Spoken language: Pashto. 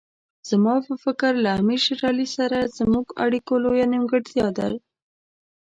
زما په فکر له امیر شېر علي سره زموږ اړیکو لویه نیمګړتیا ده.